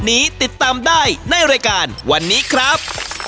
ติดตามได้ในรายการวันนี้ครับ